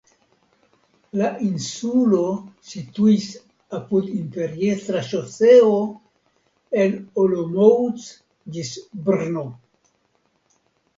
La insulo situis apud imperiestra ŝoseo el Olomouc ĝis Brno.